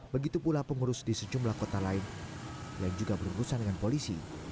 begitu pula pengurus di sejumlah kota lain yang juga berurusan dengan polisi